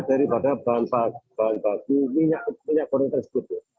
daripada bahan baku minyak goreng tersebut